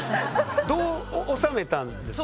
どう収めたんですか？